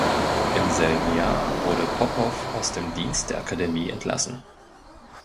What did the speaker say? Im selben Jahr wurde Popow aus dem Dienst der Akademie entlassen.